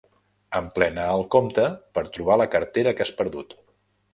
Emplena el compte per trobar la cartera que has perdut.